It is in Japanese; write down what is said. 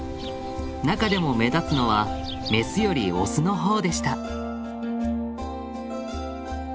中でも目立つのはメスよりオスの方でした。